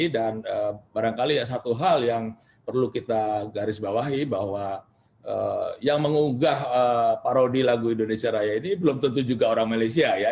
dan barangkali satu hal yang perlu kita garis bawahi bahwa yang mengugah parodi lagu indonesia raya ini belum tentu juga orang malaysia